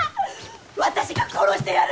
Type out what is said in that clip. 私が殺してやる！